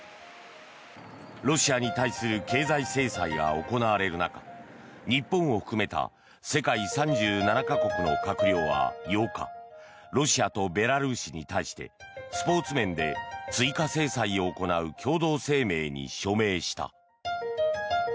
ロシアに対する経済制裁が行われる中日本を含めた世界３７か国の閣僚は８日ロシアとベラルーシに対してスポーツ面で追加制裁を行う共同声明に署名した。